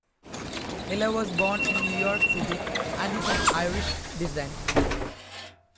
Iler was born in New York City and is of Irish descent.